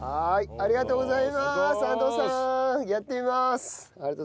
ありがとうございます。